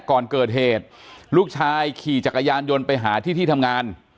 ก่อนเกิดเหตุลูกชายขี่จักรยานยนต์ไปหาที่ที่ทำงาน